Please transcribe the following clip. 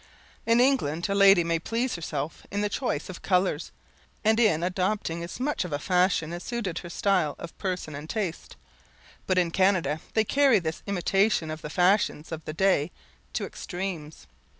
In England, a lady may please herself in the choice of colours, and in adopting as much of a fashion as suits her style of person and taste, but in Canada they carry this imitation of the fashions of the day to extremes.